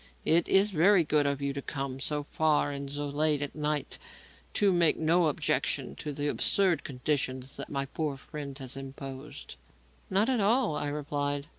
It is very good of you to come so far and so late at night and to make no objection to the absurd conditions that my poor friend has imposed." "Not at all," I replied.